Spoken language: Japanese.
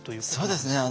そうですね。